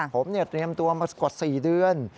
ผมเตรียมตัวมากว่า๔เดือน